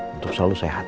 untuk selalu sehat